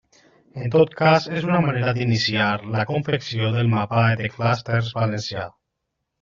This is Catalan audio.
En tot cas és una manera d'iniciar la confecció del mapa de clústers valencià.